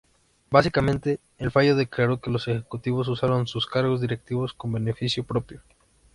Básicamente, el fallo declaró que los ejecutivos usaron sus cargos directivos en beneficio propio.